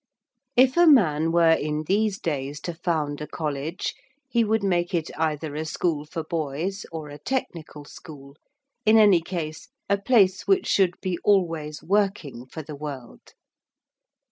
If a man were in these days to found a College he would make it either a school for boys or a technical school in any case a place which should be always working for the world.